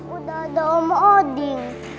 udah ada om odin